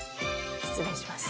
失礼します。